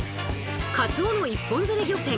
カツオの一本釣り漁船